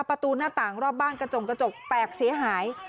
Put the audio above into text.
ประตูหน้าต่างรอบบ้านกระจงกระจกแตกเสียหาย